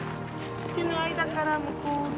手の間から向こうを見る。